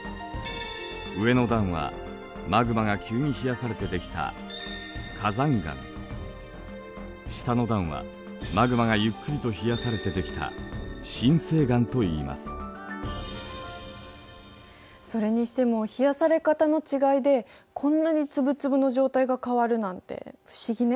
上の段はマグマが急に冷やされて出来た下の段はマグマがゆっくりと冷やされて出来たそれにしても冷やされ方の違いでこんなに粒々の状態が変わるなんて不思議ね。